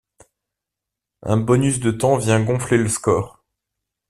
Un bonus de temps vient gonfler le score.